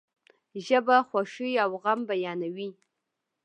ژبه خوښی او غم بیانوي.